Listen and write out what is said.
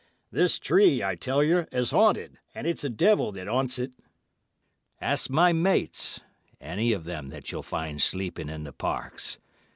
This tree, I tell yer, is 'aunted—and it's a devil that 'aunts it. Ask my mates, any of them that you'll find sleeping in the parks.